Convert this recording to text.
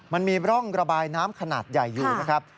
มันมีร่องระบายน้ำขนาดใหญ่อยู่นะครับ